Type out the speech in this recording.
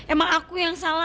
emang aku yang salah